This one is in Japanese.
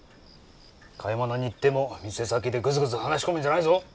買い物に行っても店先でグズグズ話し込むんじゃないぞ。